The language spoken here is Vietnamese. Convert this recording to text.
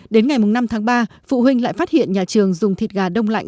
đến ngày năm tháng ba phụ huynh lại phát hiện nhà trường dùng thịt gà đông lạnh